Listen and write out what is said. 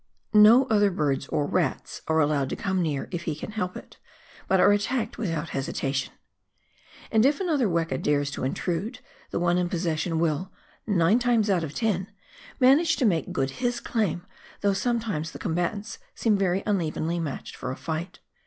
No other birds or rats are allowed to come near if he can help it, but are attacked without hesitation. And if another weka dares to intrude, the one in possession will — nine times out of ten — manage to make good his claim, though sometimes the com batants seem very unevenly matched for a fight.